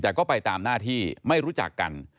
แต่ก็ไปตามหน้าที่ไม่รู้จักกัน